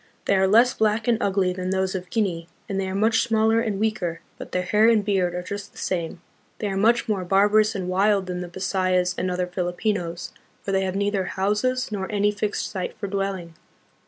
They are less black and ugly than those of Guinea, and they are much smaller and weaker, but their hair and beard are just the same. They are much more barbarous and wild than the Bisayas and other Filipinos, for they have neither houses nor any fixed sites for dwelling.